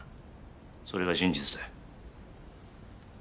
それが真実だよ。